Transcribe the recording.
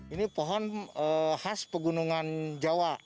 ini pohon khas pegunungan jawa